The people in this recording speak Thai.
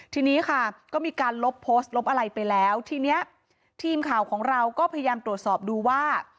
ทีนี้ค่ะก็มีการลบโพสต์ลบอะไรไปแล้วทีนี้ทีมข่าวของเราก็พยายามตรวจสอบดูว่า